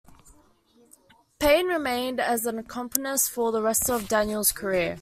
Payne remained as accompanist for the rest of Daniel's career.